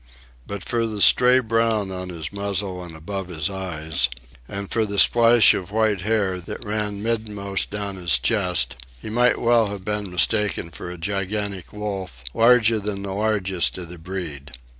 But for the stray brown on his muzzle and above his eyes, and for the splash of white hair that ran midmost down his chest, he might well have been mistaken for a gigantic wolf, larger than the largest of the breed.